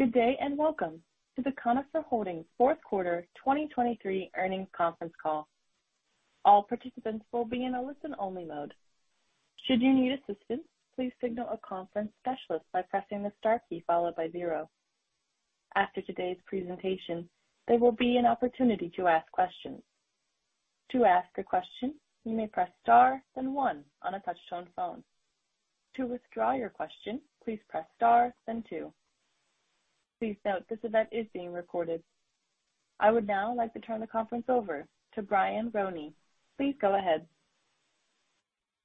Good day and Welcome to the Conifer Holdings Q4 2023 Earnings Conference Call. All participants will be in a listen-only mode. Should you need assistance, please signal a conference specialist by pressing the star key followed by zero. After today's presentation, there will be an opportunity to ask questions. To ask a question, you may press star, then one on a touch-tone phone. To withdraw your question, please press star, then two. Please note this event is being recorded. I would now like to turn the conference over to Brian Roney. Please go ahead.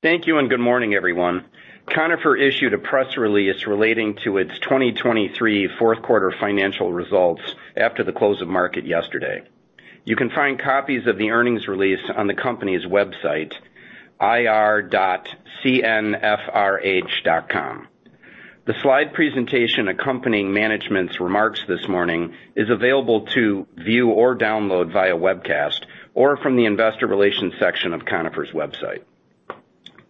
Thank you and good morning, everyone. Conifer issued a press release relating to its 2023 Q4 financial results after the close of market yesterday. You can find copies of the earnings release on the company's website, ir.cnfrh.com. The slide presentation accompanying management's remarks this morning is available to view or download via webcast or from the investor relations section of Conifer's website.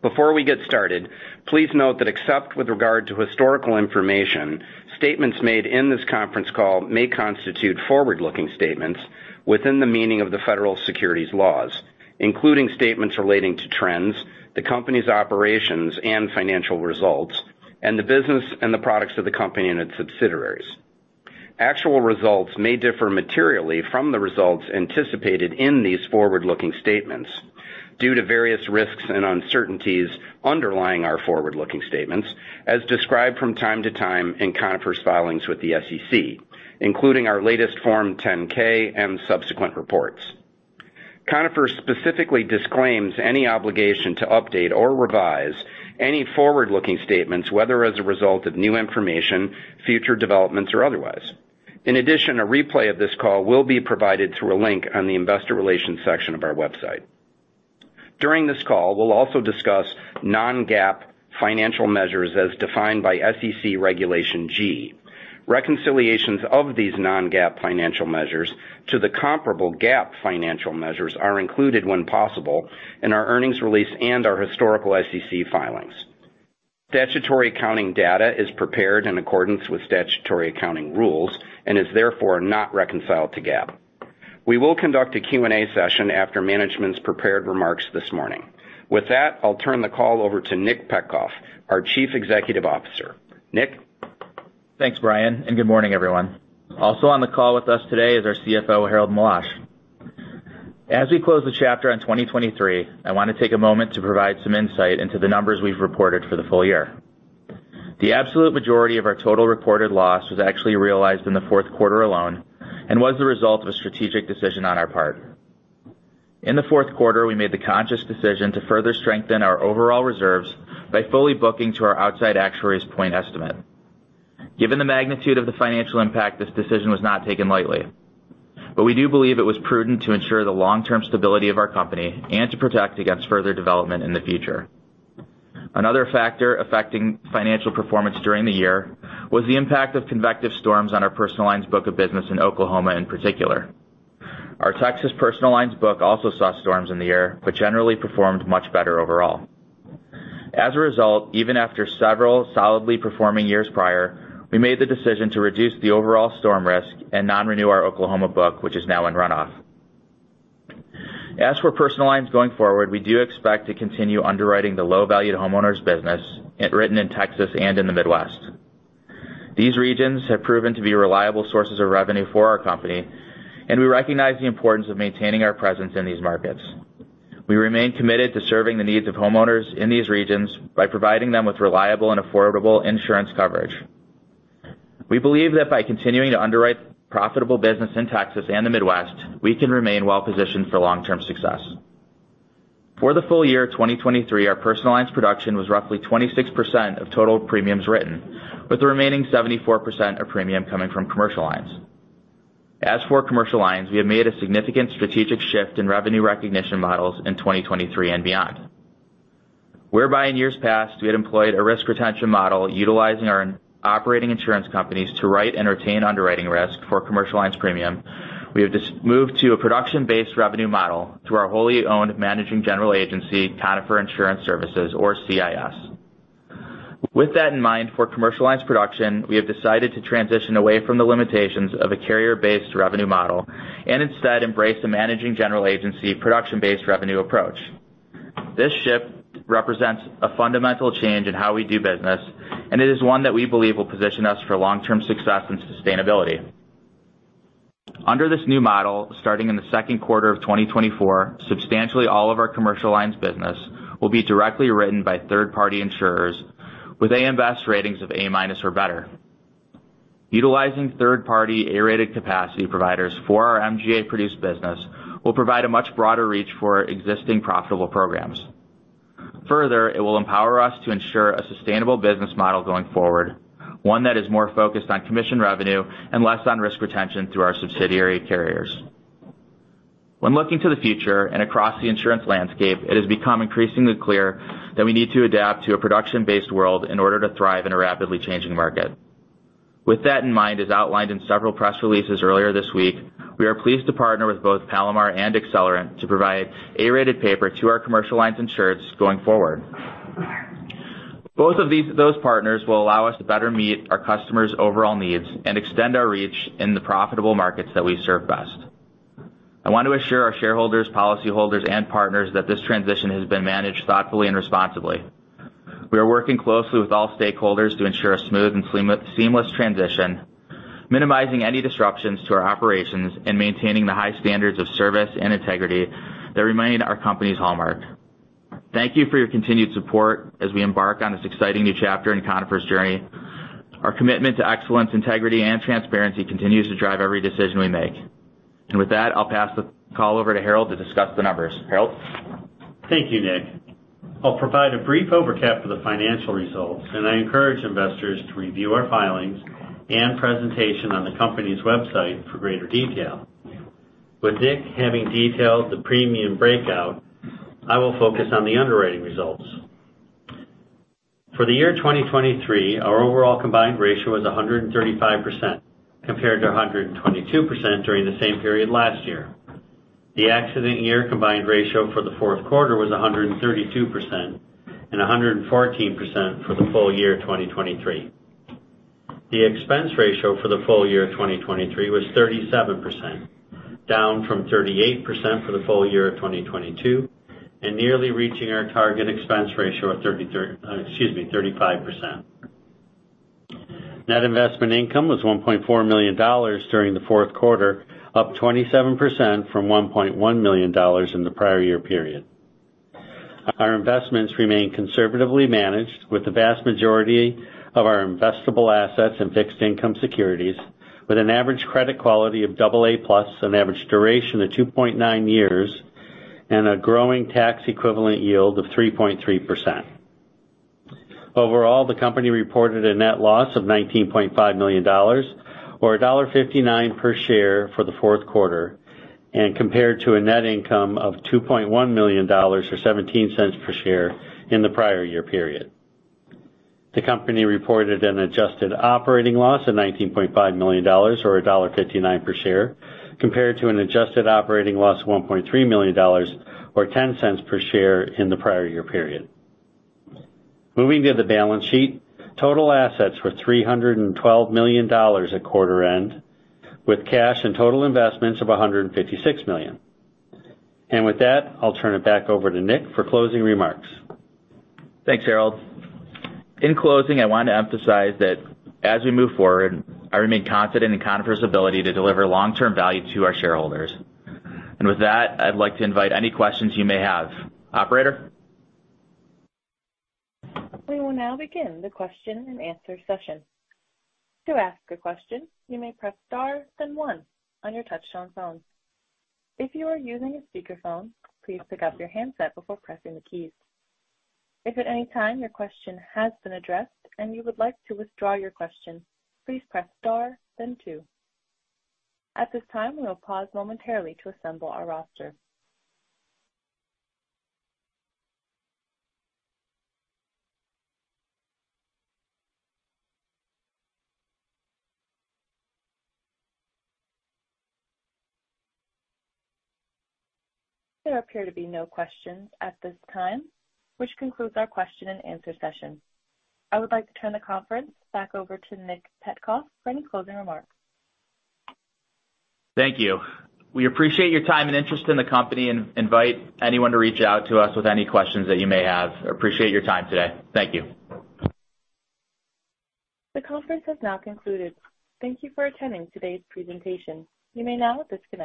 Before we get started, please note that except with regard to historical information, statements made in this conference call may constitute forward-looking statements within the meaning of the federal securities laws, including statements relating to trends, the company's operations, and financial results, and the business and the products of the company and its subsidiaries. Actual results may differ materially from the results anticipated in these forward-looking statements due to various risks and uncertainties underlying our forward-looking statements, as described from time to time in Conifer's filings with the SEC, including our latest Form 10-K and subsequent reports. Conifer specifically disclaims any obligation to update or revise any forward-looking statements, whether as a result of new information, future developments, or otherwise. In addition, a replay of this call will be provided through a link on the investor relations section of our website. During this call, we'll also discuss non-GAAP financial measures as defined by SEC Regulation G. Reconciliations of these non-GAAP financial measures to the comparable GAAP financial measures are included when possible in our earnings release and our historical SEC filings. Statutory accounting data is prepared in accordance with statutory accounting rules and is therefore not reconciled to GAAP. We will conduct a Q&A session after management's prepared remarks this morning. With that, I'll turn the call over to Nick Petcoff, our Chief Executive Officer. Nick? Thanks, Brian, and good morning, everyone. Also on the call with us today is our CFO, Harold Meloche. As we close the chapter on 2023, I want to take a moment to provide some insight into the numbers we've reported for the full year. The absolute majority of our total recorded loss was actually realized in the Q4 alone and was the result of a strategic decision on our part. In the Q4, we made the conscious decision to further strengthen our overall reserves by fully booking to our outside actuaries' point estimate. Given the magnitude of the financial impact, this decision was not taken lightly, but we do believe it was prudent to ensure the long-term stability of our company and to protect against further development in the future. Another factor affecting financial performance during the year was the impact of convective storms on our personal lines' book of business in Oklahoma in particular. Our Texas personal lines' book also saw storms in the year but generally performed much better overall. As a result, even after several solidly performing years prior, we made the decision to reduce the overall storm risk and not renew our Oklahoma book, which is now in runoff. As for personal lines going forward, we do expect to continue underwriting the low-valued homeowners' business written in Texas and in the Midwest. These regions have proven to be reliable sources of revenue for our company, and we recognize the importance of maintaining our presence in these markets. We remain committed to serving the needs of homeowners in these regions by providing them with reliable and affordable insurance coverage. We believe that by continuing to underwrite profitable business in Texas and the Midwest, we can remain well-positioned for long-term success. For the full year 2023, our personal lines' production was roughly 26% of total premiums written, with the remaining 74% of premium coming from commercial lines. As for commercial lines, we have made a significant strategic shift in revenue recognition models in 2023 and beyond. Whereby in years past, we had employed a risk retention model utilizing our operating insurance companies to write and retain underwriting risk for commercial lines' premium, we have moved to a production-based revenue model through our wholly owned managing general agency, Conifer Insurance Services, or CIS. With that in mind, for commercial lines' production, we have decided to transition away from the limitations of a carrier-based revenue model and instead embrace a managing general agency production-based revenue approach. This shift reprelsents a fundamental change in how we do business, and it is one that we believe will position us for long-term success and sustainability. Under this new model, starting in the Q2 of 2024, substantially all of our commercial lines' business will be directly written by third-party insurers with A.M. Best ratings of -A or better. Utilizing third-party A-rated capacity providers for our MGA-produced business will provide a much broader reach for existing profitable programs. Further, it will empower us to ensure a sustainable business model going forward, one that is more focused on commission revenue and less on risk retention through our subsidiary carriers. When looking to the future and across the insurance landscape, it has become increasingly clear that we need to adapt to a production-based world in order to thrive in a rapidly changing market. With that in mind, as outlined in several press releases earlier this week, we are pleased to partner with both Palomar and Accelerant to provide A-rated paper to our commercial lines insureds going forward. Both of those partners will allow us to better meet our customers' overall needs and extend our reach in the profitable markets that we serve best. I want to assure our shareholders, policyholders, and partners that this transition has been managed thoughtfully and responsibly. We are working closely with all stakeholders to ensure a smooth and seamless transition, minimizing any disruptions to our operations and maintaining the high standards of service and integrity that remain our company's hallmark. Thank you for your continued support as we embark on this exciting new chapter in Conifer's journey. Our commitment to excellence, integrity, and transparency continues to drive every decision we make. With that, I'll pass the call over to Harold to discuss the numbers. Harold? Thank you, Nick. I'll provide a brief overview for the financial results, and I encourage investors to review our filings and presentation on the company's website for greater detail. With Nick having detailed the premium breakout, I will focus on the underwriting results. For the year 2023, our overall combined ratio was 135% compared to 122% during the same period last year. The accident year combined ratio for the Q4 was 132% and 114% for the full year 2023. The expense ratio for the full year 2023 was 37%, down from 38% for the full year of 2022 and nearly reaching our target expense ratio of 35%. Net investment income was $1.4 million during the fourth quarter, up 27% from $1.1 million in the prior year period. Our investments remain conservatively managed with the vast majority of our investable assets in fixed income securities, with an average credit quality of +AA, an average duration of 2.9 years, and a growing tax equivalent yield of 3.3%. Overall, the company reported a net loss of $19.5 million or $1.59 per share for the fourth quarter and compared to a net income of $2.1 million or $0.17 per share in the prior year period. The company reported an adjusted operating loss of $19.5 million or $1.59 per share compared to an adjusted operating loss of $1.3 million or $0.10 per share in the prior year period. Moving to the balance sheet, total assets were $312 million at quarter end with cash and total investments of $156 million. And with that, I'll turn it back over to Nick for closing remarks. Thanks, Harold. In closing, I want to emphasize that as we move forward, I remain confident in Conifer's ability to deliver long-term value to our shareholders. With that, I'd like to invite any questions you may have. Operator? We will now begin the question and answer session. To ask a question, you may press star, then one on your touch-tone phone. If you are using a speakerphone, please pick up your handset before pressing the keys. If at any time your question has been addressed and you would like to withdraw your question, please press star, then two. At this time, we will pause momentarily to assemble our roster. There appear to be no questions at this time, which concludes our question and answer session. I would like to turn the conference back over to Nick Petcoff for any closing remarks. Thank you. We appreciate your time and interest in the company and invite anyone to reach out to us with any questions that you may have. Appreciate your time today. Thank you. The conference has now concluded. Thank you for attending today's presentation. You may now disconnect.